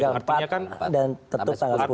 sampai tanggal empat dan tetap tanggal sepuluh